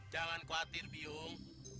jangan khawatir bium